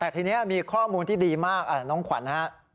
แต่ทีนี้มีข้อมูลที่ดีมากน้องขวัญฮะ